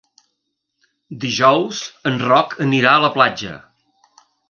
Dijous en Roc anirà a la platja.